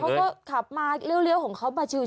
เขาก็ขับมาเลี้ยวของเขามาชิว